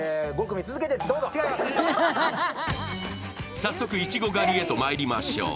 早速、いちご狩りへとまいりましょう。